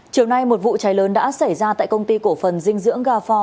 chiều nay một vụ cháy lớn đã xảy ra tại công ty cổ phần dinh dưỡng gafor